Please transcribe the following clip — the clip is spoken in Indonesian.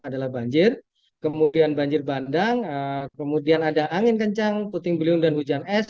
adalah banjir kemudian banjir bandang kemudian ada angin kencang puting beliung dan hujan es